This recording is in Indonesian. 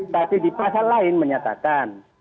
tapi di pasal lain menyatakan